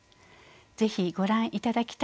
是非ご覧いただきたいと思います。